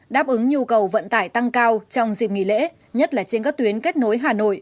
đáp ứng nhu cầu vận tải tăng cao trong dịp nghỉ lễ nhất là trên các tuyến kết nối hà nội